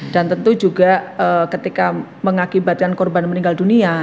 dan tentu juga ketika mengakibatkan korban meninggal dunia